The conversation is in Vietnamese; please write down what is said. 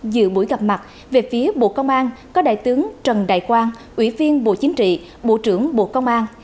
dự buổi gặp mặt về phía bộ công an có đại tướng trần đại quang ủy viên bộ chính trị bộ trưởng bộ công an